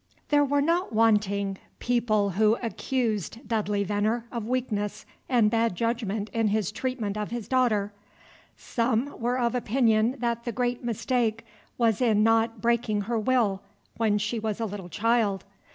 There were not wanting people who accused Dudley VENNER of weakness and bad judgment in his treatment of his daughter. Some were of opinion that the great mistake was in not "breaking her will" when she was a little child.